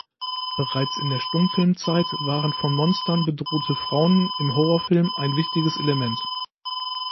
Bereits in der Stummfilmzeit waren von Monstern bedrohte Frauen im Horrorfilm ein wichtiges Element.